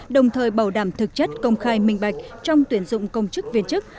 đồng thời bảo đảm thực chất công khai minh bạch trong tuyển dụng công chức viên chức